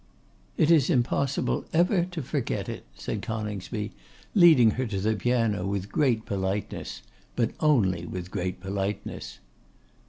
'It is impossible ever to forget it,' said Coningsby, leading her to the piano with great politeness, but only with great politeness.